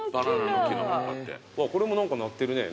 これも何かなってるね。